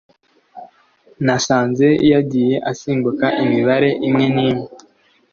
nasanze yagiye asimbuka imibare imwe n’imwe